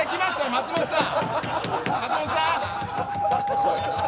松本さん